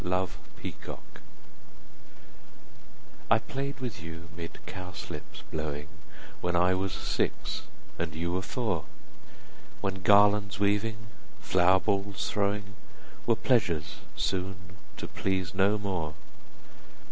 Love and Age I PLAY'D with you 'mid cowslips blowing, When I was six and you were four; When garlands weaving, flower balls throwing, Were pleasures soon to please no more.